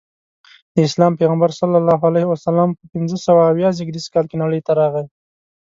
د اسلام پیغمبر ص په پنځه سوه اویا زیږدیز کې نړۍ ته راغی.